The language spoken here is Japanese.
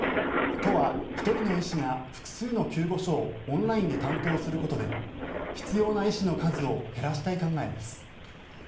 都は１人の医師が複数の救護所をオンラインで担当することで必要な医師の数を減らしたい考えです。